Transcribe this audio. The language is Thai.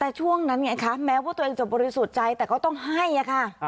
แต่ช่วงนั้นไงคะแม้ว่าตัวเองจะบริสุทธิ์ใจแต่ก็ต้องให้ค่ะ